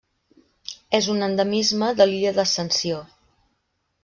És un endemisme de l'Illa Ascensió.